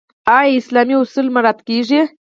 آیا اسلامي اصول مراعات کیږي؟